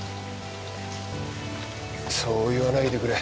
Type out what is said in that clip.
そう言わないでくれ。